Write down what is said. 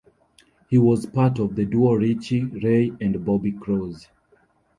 He was part of the duo Richie Ray and Bobby Cruz.